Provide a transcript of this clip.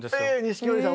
錦織さん